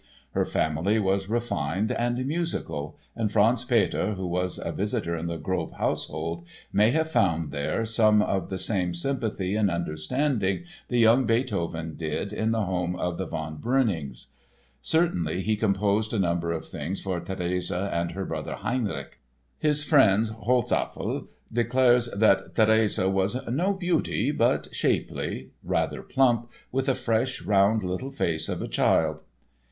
Her family was refined and musical and Franz Peter, who was a visitor at the Grob household, may have found there some of the same sympathy and understanding the young Beethoven did in the home of the von Breunings. Certainly, he composed a number of things for Therese and her brother, Heinrich. His friend, Holzapfel, declares that Therese was "no beauty, but shapely, rather plump, with a fresh round little face of a child."